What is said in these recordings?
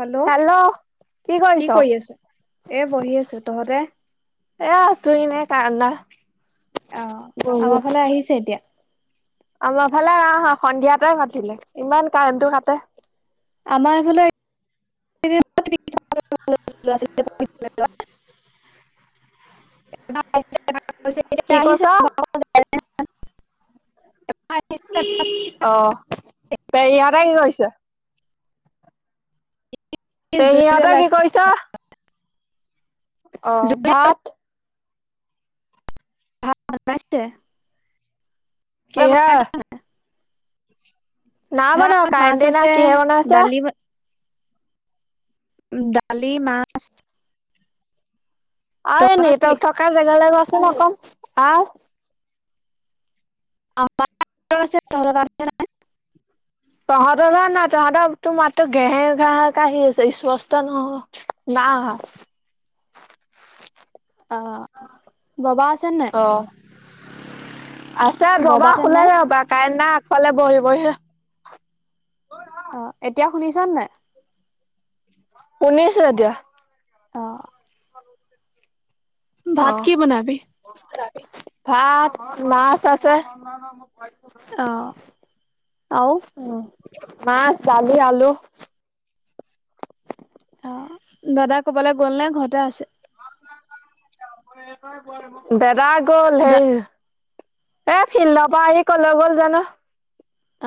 Hello. কি কৰি আছো, এ বহি আছো, তহঁতে? এ আছো এনে কাৰেণ্ট নাই। অ', আমাৰ ফালে আহিছে এতিয়া। আমাৰফালে অ', সন্ধিয়াতে কাটিলে ইমান কাৰেণ্টটো কাটে। আমাৰ এইফালো [unintelligible] [inaudible] কি কৈছ? [unintelligible] অ', পেহীহঁতে কি কৰিছে? জুই পেহীহঁতে কি জ্বলাইছে কৰিছে? অ', জুই ভাত? ভাত [unintelligible] তই কিহে বনাইছ নাই? নাই বনোৱা ভাত মাছ কাৰেণ্টে নাই আছে কিহে বনাইছে দালি ব দালি, মাছ আৰু এই তহঁতৰ কি? নেটৱৰ্ক থকা জেগালৈ যা চোন অকণ অ'। [unintelligible] তহঁতৰ তাত নাই তহঁতৰ-তোৰ মাততো ঘেঁহেৰ ঘাহেঁৰ কে আহি আছে স্পষ্ট নহয় না আহা অ', বাবা আছে নে নাই? অ আছে, ববা আছে নাই? শুলেই ৰ'বা, কাৰেন্ট নাই, আগফালে বহি বহি৷ অ', এতিয়া শুনিছানে নাই? শুনিছো এতিয়া। অ'। অ ভাত [unintelligible] কি বনাবি? ভাত, মাছ আছে৷ অ', আউ? উম মাছ, দালি, আলু৷ দাদা ক'বালৈ গ'ল নে ঘৰতে আছে? দেদা গ'ল দা হেই এ ফিল্ডৰ পৰা আহি ক'লৈ গ'ল জানো!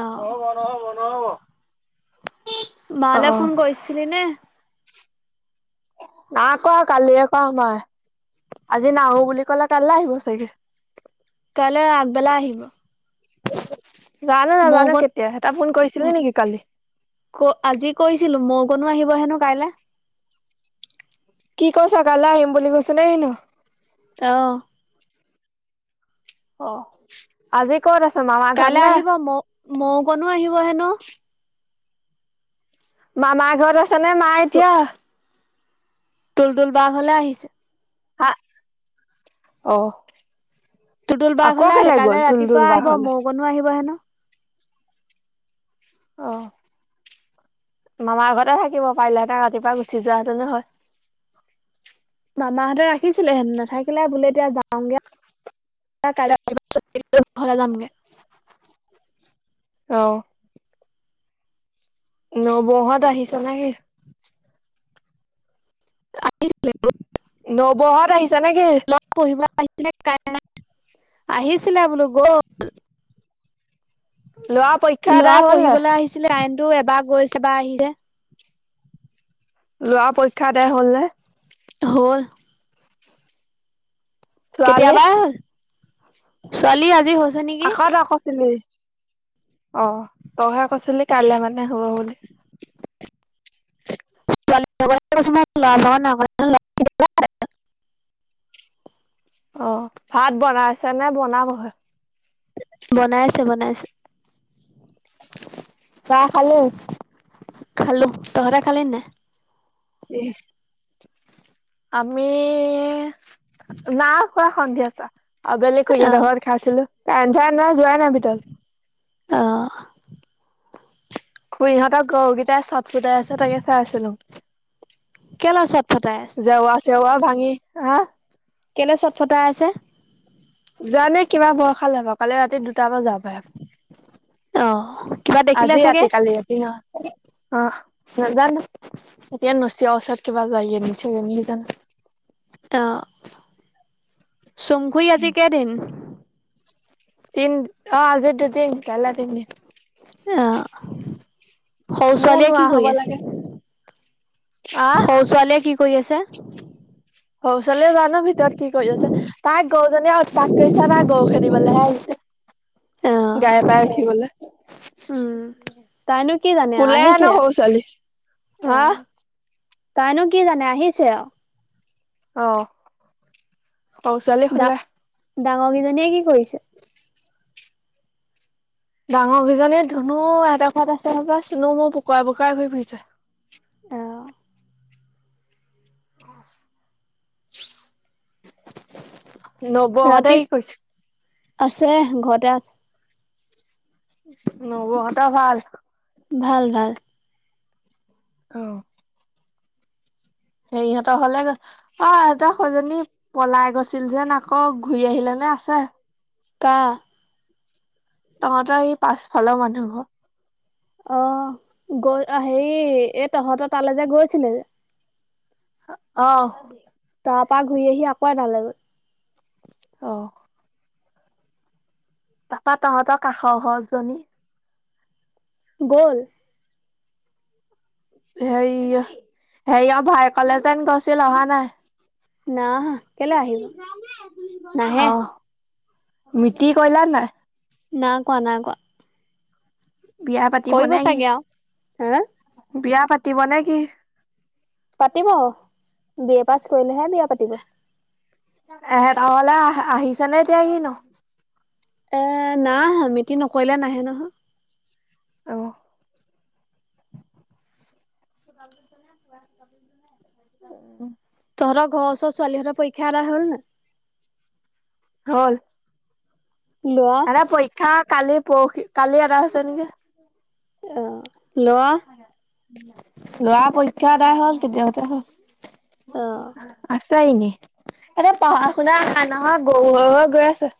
অ' নহ'ব, নহ'ব, নহ'ব৷ বালে ফোন কৰিছিলি নে? নাই কৱা। কালিয়ে কৱা মই৷ আজি নাহো বুলি ক'লে কাইলে আহিব চাগে৷ কাইলে আগবেলা আহিব৷ জানো! মৌ নাজানে অকণ কেতিয়া আহে, তই ফোন কৰিছিলি নেকি কালি? ছিলো। মৌকণো আহিব হেনো কাইলে৷ কি কৈছ কাইলে আহিম বুলি কৈছে নে কিনো? অ'। অ' আজি ক'ত আছ? মামা ঘত নে? মৌকণো আহিব হেনো। মামাৰ ঘৰত আছে নে মা এতিয়া? তুলতুল বা ঘৰলে আহিছে৷ আ, অ'৷ তুলতুল বা আকৌ ঘৰলে আহি, কেলে গ'ল কাইলে তুলতুল ৰাতিপুৱা বা আহিব, ঘৰলে মৌকণো আহিব হেনো। অ'। মামাৰ ঘৰতে থাকিব পাৰিলেহেতে, ৰাতিপুৱা গুচি যোৱা হেতেনো হয়৷ মামাহঁতে ৰাখিছিলে হেনো৷ নাথাকিলে, বোলে এতিয়া যাওঁগে আ। কাইলে [unintelligible] ঘৰলে যামগে৷ অ'। নবৌহঁত আহিছে নে কি? নবৌহঁত আহিছে নে কি? ল'ৰা [unintelligible] আহিছিলে বোলো গ'ল৷ ল'ৰা পৰীক্ষা ল'ৰা আদায় হ'ল নাই? পঢ়িবলৈ আহিছিলে, কাৰেন্টটো এবা গৈছে, এবা আহিছে৷ ল'ৰা পৰীক্ষা আদায় হ'ল নে? হ'ল৷ ছোৱালী কেতিয়াবাই হ'ল৷ ছোৱালীৰ আজি হৈ আকৌ তই কছিলি৷ অ' তইহে কৈছিলি কাইলে মানে হ'ব বুলি৷ ছোৱালী লগতহে গৈছো মই। ল'ৰা লগত নাই [unintelligible] অ' ভাত বনাইছে নে বনাবহে? বনাইছে, বনাইছে৷ চাহ খালি? খালোঁ৷ তহঁতে খালি নাই? কিহ? আমি, নাই খোৱা সন্ধিয়া চাহ৷ আবেলি অ খুৰীহঁত ঘৰত খাইছিলো৷ কাৰেণ্ট-চাৰেন্ট নাই যোৱাই নাই ভিতৰ। অ পুই। ইহঁত গৰুগিটাই চট ফটাই আছে তাকে চাই আছিলো। কেলে চট ফটাই আছে জেৱা চেৱা ভাঙি, আ। কেলে চট ফটাই আছে? খালে ন। কালি ৰাতি দুটা বজা পাই। অহ। আজি ৰাতি, কালি ৰাতি নহ, অ'। নাজানো। এতিয়া নচিৱ ওচত কিবা জাই আনিছে জনীৰ কাণে। অ'। চুম খুই আজি কেদিন? তিন, অ' আজি দুদিন। কাইলে তিনদিন। অ'। সও মোৰ ছোৱালীয়ে নোৱাৰা কি কৰি হ'ব আছে? লাগে আহ সও ছোৱালীয়ে কি কৰি আছে। হৌ ছোৱালীয়ে জানো ভিতৰত কি কই আছে। তাইক গজনীয়ে আও তাক কৈছা না গৰু খেদিবলৈহে অ আহিছে। গাই পাই উঠিবলে। শুলেই উম তাইনো কি জানে আৰু ন' আহিছে সৰু ছোৱালী অ হা? তাইনো কি জানে আহিছে অ, অ, সৰু ছোৱালী ডা শুলে। ডাঙৰ কেইজনীয়ে কি কৰিছে? ডাঙৰকজনীয়ে ধুনু আইতা ঘৰত আছে হবাই চুনু মুনু পোকৰা -পোকৰা ঘূৰি ফুৰিছে। অ [inaudible] নবৌ হতে ৰাতি কি কৰিছে? আছে ঘৰতে আছে। নবৌ হতৰ ভাল? ভাল-ভাল। অ', হেৰিহঁতৰ ঘৰলে গ'ল অ, এহতৰ সৰুজনী পলাই গৈছিল যেন আকৌ ঘূৰি আহিলে ন নে আছে? কা তহঁতৰ এই পাছফালৰ মানুহ ঘৰ। অ, গ' ল অ, হেৰি এই তহঁতৰ তালৈ যে গৈছিলে যে? অ, [unintelligible] তাৰপা ঘূৰি আহি আকৌ আনালেগৈ। অহ', তাপা তহঁতৰ কাষৰ ঘৰ জনী গ'ল হে হেই অ ভাই কলে যেন গৈছিল অহা নাই নাই আহা কেলে আহিব নাহে আহ মিতি কইলা নাই ক নাই কৰা বিয়া পাতিব নে কি আৰু হা বিয়া পাতিব নে কি পাতিব বি এ পাছ কৰিলেহে বিয়া পাতিব এহে ঘলে আহ আহিছ নে এতিয়া কি নো এ নাই অহা মিতি নকৰিলে নাহে নহয় আহ উম তৰ ঘৰৰ ওচৰ ছোৱালী হেত পৰীক্ষা এদাই হল ন হল লোৱা এনে পৰীক্ষা কালি পৰ খি কালি এদাই হৈছে নেকি আহ লৰা লৰা পৰীক্ষা আদাই হল কেতিয়াবাতে অ হল চাইনে এনে পঢ়া শুনা নাই নহয় গৰু হৈ হৈ গৈ আছ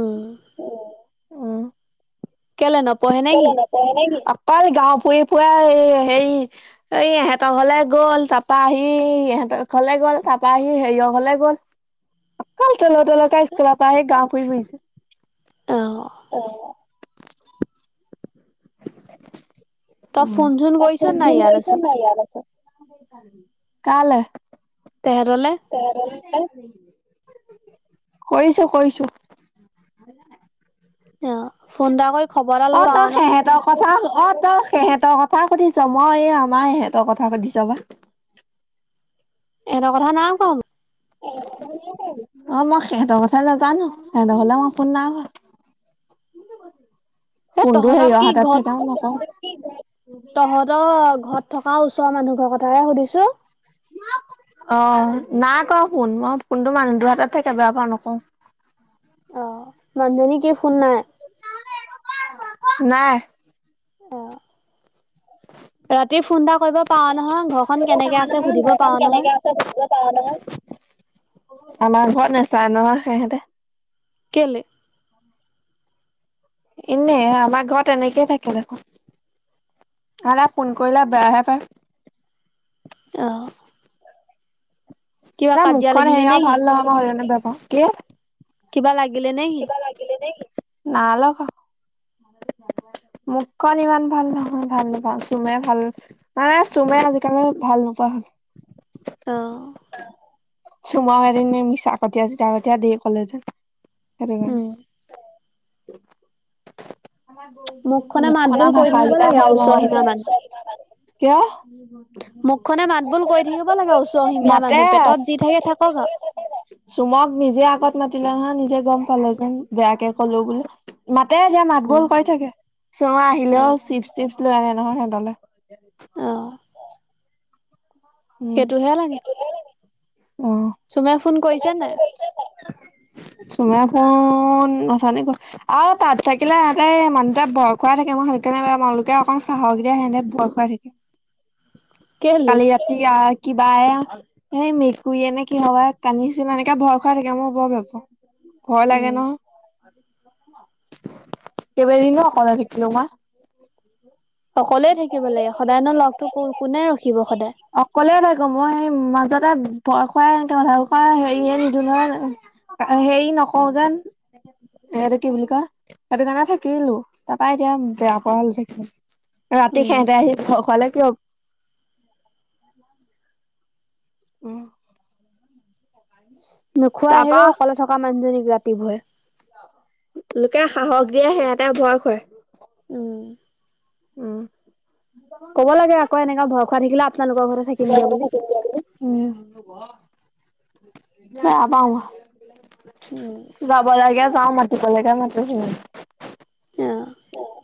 উম আহ কেলে নপঢ়ে কেলে নেকি নপহে নে কিনো অকল গাঁও ফুৰি ফুৰাই এই হেৰি এই ইহতৰ ঘৰলে গ'ল তাৰপৰা আহি ইহ তলে গ'ল তাৰপৰা আহি হেৰিয়ৰ ঘলে গ'ল অকল টলৌ টলৌ কে স্কুলৰ পৰা আহি গাওঁ ফুৰি ফুৰিছে অ অ'। [inaudible] [unintelligible] [inaudible] তই ফোন চোন কৰিছ নাই ইয়াত আছ তেহেতলে কৰিছো কৰিছো। অ' ফোন এটা কৰি খবৰ এটা ল'ব পাঅ নহ। ক অ তই সিহঁতৰ কথা সুধিছ মই এই আমাৰ সহঁতৰ কথা সুধিছ বা। [inaudible] এটা কথা না কম অ মই সিহঁতৰ কথা নাজানো সিহঁতৰ হলে মই ফোন নাই কৰা। মোক। এ কোনটো তহঁতক হেৰি কি অহাতত ঘৰত থকাও নকওঁ। তহঁতৰ ঘৰত থকা ওচৰৰ মানুহ ঘৰ কথাহে সুধিছো। [unintelligible] অ নাই ক ফোন মই কোনটো মানুহটোৰ হাতত থেবাৰ পৰাাৰ নকওঁ। অ মানজনীকে ফোন নাই। নাই। উম। ৰাতি ফোন এটা কৰিব পাৰ নহয় ঘৰখন কেনেকে আছে সুধিব পাৰ নহয়। আমাৰ ঘৰত নাচায় ন সহেঁতে কেলে? এনে আমাৰ ঘৰত এনেকেই থাকে দেখোন কাৰণ ফোন কৰিলে বেয়াহে। হা। আহ। নাই মুখখন নে সেও কি ভাল নহ'ব হণ বাপা কিবা লাগিলে নে কি কিবা লাগিলে নে নাই লগা। মোক খন ইমান ভাল নহয় ভাল নাপাওঁ চুমে ভাল মানে চুমে আজিকালি ভাল নোপোৱা হল। অ [unintelligible] চুমা এৰি ন মিছাকতি চ তাকতিয়া দ কলে যে সেইটো উম কাৰণে। [unintelligible] মুখখনে মাত বোল মুখখনৰ কৰি ভাষা থাকিব কেইটা লাগে আৰু ভাল ওচৰ নহয় সীমা মানুহ কিয়? মুখখনে মাত বোুল কৰি থাকিব লাগে ওচৰ সীমীয়া মাতে মানুহ পেটত যি থাকে থাকক আৰু। চুমক নিজে আগত মাতিলে নহয়। নিজে গম কালে যেন বেয়াকে ক'লো ব বুলি মাতে যাম। ভাত বুল উম কৈ থাকে চঙা আহিলেও চিপচ টিপছ লৈ আনে নহয় সিহতলে। অ [unintelligible] উম। সেইটোহে লাগে অ চুমে ফোন কৰিছে নে? [unintelligible] চুমে ফোন নচান আৰু তাত থাকিলে তহতে মানুহটোৱে ভয় খোৱাই থাকে ম নো এওঁলোকে অকণ সাহস দিয়া সেনে বয় খুৱাই থাকে। কেলে? বা কিবা এ স মেটকুুৰীয়ে নে কিহ কান্দিছিল এনেকে ভয় খুৱাই থাকে মই বৰ ভাব পাওঁ। ভয় লাগে উম ন। কেইবাদিনো অকলে থাকিলো মই। সকললে থাকিব লাগে সদায় ন লগতটো ক কোনে ৰখিব সদায়। অকলে থাকো মই স মাজত এ বয় খোৱালোকৰ হেৰি নিদো নহয়। হেৰি নকওঁ যেন। সহটো কি বুলি কয় সেইটো কাৰণে থাকিলো তাৰাপা এতিয়া বেয়া পৰা হলো থাকিলো। ৰাতি উম। খাইতে আহি খালে কি হ? উম। নোখোৱাই আহে তাৰপা ৰ অকলে থকা মানুহজনীক ৰাতি ভুৱৰে। লোকে সাহস দিয়ে সেৰাতে ভয় খোৱাই। উম। ক'ব লাগে আকৌ এনেকা ভয় খোৱা থাকিলে আপোনালোকৰ ঘৰতে থাকিমগে বুলি। উম ম আ পাওা উম। যাব লাগে যাওঁ মাতিবলেকে মাতিছিল। অ'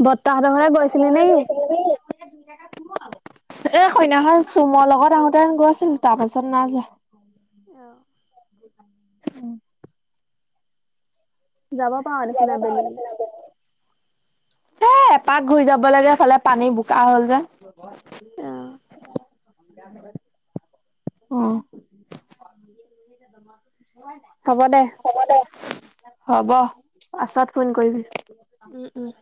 বৰ্তাহঁত ঘৰলে গৈছিলি নেকি? এ সেইদিনাখন চোম লগত আহোতে গৈছিলোঁ, তাৰ পাছত নাই যোৱা। যাব পাৰ দেখোন আবেলি। [inaudible] এ, এপাক ঘূৰি যাব লাগে ফালে পানী বোকা হ'ল যে। আহ। আহ। হ'ব দে। হ'ব দে, হ'ব। পাছত ফোন কৰিবি। উম, উম। [inaudible]